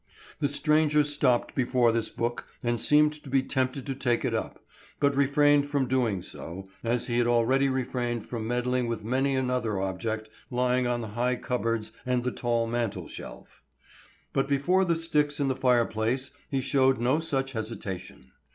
The stranger stopped before this book and seemed to be tempted to take it up, but refrained from doing so, as he had already refrained from meddling with many another object lying on the high cupboards and the tall mantel shelf. But before the sticks in the fireplace he showed no such hesitation.